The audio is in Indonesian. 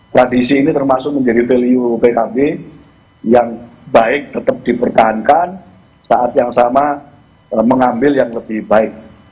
tradisi ini termasuk menjadi value pkb yang baik tetap dipertahankan saat yang sama mengambil yang lebih baik